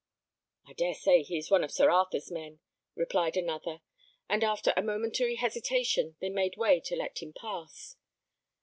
"I dare say he is one of Sir Arthur's men," replied another; and after a momentary hesitation, they made way to let him pass.